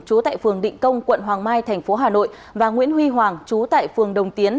trú tại phường định công quận hoàng mai tp hà nội và nguyễn huy hoàng trú tại phường đồng tiến